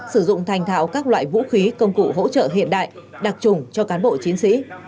sử dụng thành thạo các loại vũ khí công cụ hỗ trợ hiện đại đặc trùng cho cán bộ chiến sĩ